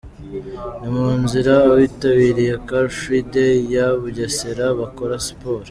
Mu nzira abitabiriye Car Free Day ya Bugesera bakora siporo.